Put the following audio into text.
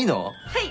はい！